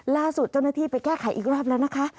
ล่าสุดเจ้าหน้าที่ไปแก้ไขอีกรอบแล้วนะคะ